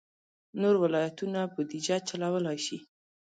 نور ولایتونه بودجه چلولای شي.